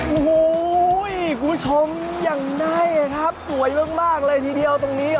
โอ้โหคุณผู้ชมอย่างใดครับสวยมากเลยทีเดียวตรงนี้